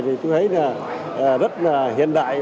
thì tôi thấy là rất là hiện đại